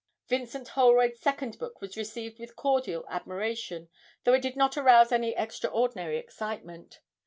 Vincent Holroyd's second book was received with cordial admiration, though it did not arouse any extraordinary excitement.